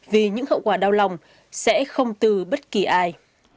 vì những hậu quả đau lòng sẽ không từ bất kỳ ai